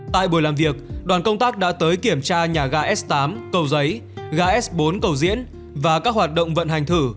tại buổi làm việc đoàn công tác đã tới kiểm tra nhà ga s tám cầu giấy ga s bốn cầu diễn và các hoạt động vận hành thử